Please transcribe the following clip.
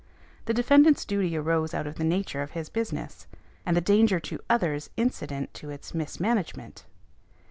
The defendant's duty arose out of the nature of his business, and the danger to others incident to its mismanagement.